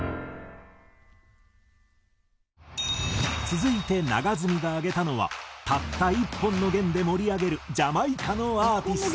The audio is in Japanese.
続いて永積が挙げたのはたった１本の弦で盛り上げるジャマイカのアーティスト。